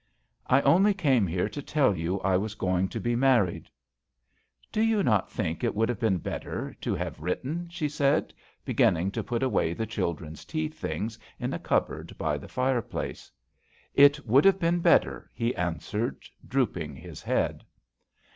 " I only came here to tell yo I was going to be married." " Do you not think it woul have been better to hav JOHN SHERMAN. 95 written? " she said, beginning to rput away the children's tea things in a cupboard by the fire [place. " It would have been better/ he answered, drooping his head.